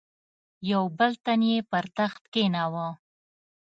یو بل تن یې پر تخت کښېناوه.